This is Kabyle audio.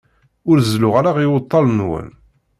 Ur zelluɣ ara iwtal-nwen.